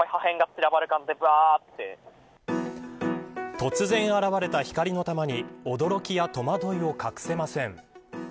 突然現れた光の玉に驚きや戸惑いを隠せません。